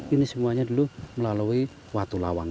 ini semuanya dulu melalui watu lawang